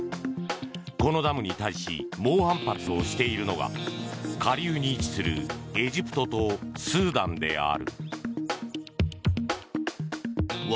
このダムに対し猛反発をしているのが下流に位置するエジプトとスーダンである。